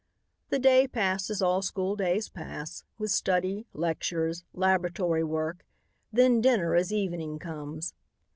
The day passed as all schooldays pass, with study, lectures, laboratory work, then dinner as evening comes.